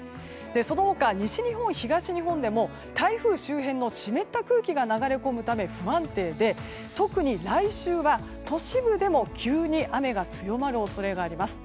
その他、西日本、東日本でも台風周辺の湿った空気が流れ込むため不安定で特に来週は都市部でも急に雨が強まる恐れがあります。